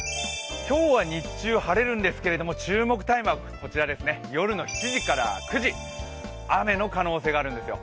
今日は日中晴れるんですが注目タイムはこちらですね、夜の７時から９時、雨の可能性があるんですよ。